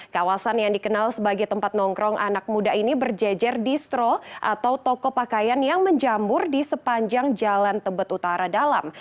kawasan yang dikenal sebagai tempat nongkrong anak muda ini berjejer distro atau toko pakaian yang menjamur di sepanjang jalan tebet utara dalam